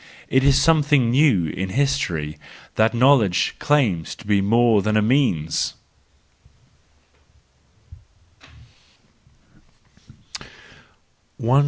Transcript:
It is something new in history that knowledge claims to be more than a means.